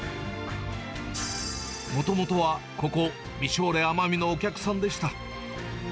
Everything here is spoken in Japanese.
もともとはここ、みしょーれ奄美のお客さんでした。